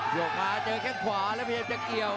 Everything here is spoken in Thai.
โยงมาเจอแค่ขวาแล้วมีแค่เกี่ยว